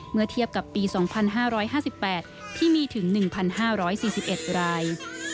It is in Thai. เมื่อเทียบกับปี๒๕๕๘ที่มีถึง๑๕๔๑ราย